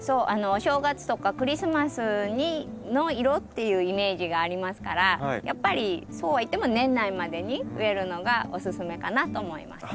お正月とかクリスマスの色っていうイメージがありますからやっぱりそうは言っても年内までに植えるのがおすすめかなと思います。